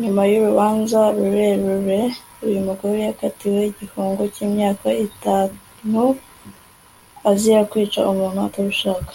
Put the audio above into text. Nyuma yurubanza rurerure uyu mugore yakatiwe igifungo cyimyaka itantu azira kwica umuntu atabishaka